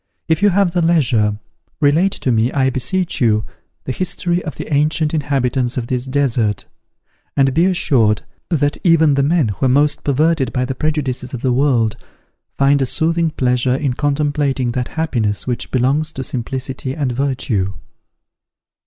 If you have leisure, relate to me, I beseech you, the history of the ancient inhabitants of this desert; and be assured, that even the men who are most perverted by the prejudices of the world, find a soothing pleasure in contemplating that happiness which belongs to simplicity and virtue."